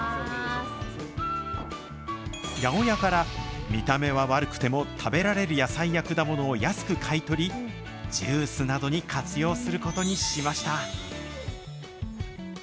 八百屋から見た目は悪くても食べられる野菜や果物を安く買い取り、ジュースなどに活用することにしました。